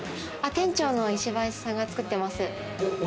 店長の石橋さんが作ってます。